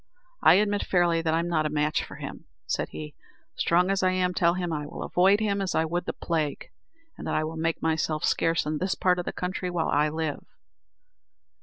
"I admit fairly that I'm not a match for him," said he, "strong as I am; tell him I will avoid him as I would the plague, and that I will make myself scarce in this part of the country while I live."